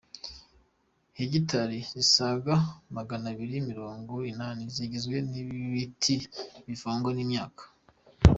Hegitari zisaga Maganabiri Mirongo inani zigizwe n’ibiti bivangwa n’imyaka